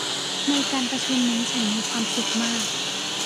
ในการประชุมนี้ฉันมีความสุขมาก